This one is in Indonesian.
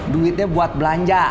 duitnya buat belanja